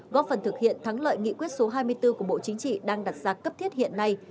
góp phần thực hiện thắng lợi nghị quyết số hai mươi bốn của bộ chính trị đang đặt ra cấp thiết hiện nay